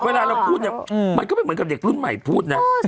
เวลาเราพูดเนี่ยมันก็ไม่เหมือนกับเด็กรุ่นใหม่พูดนะ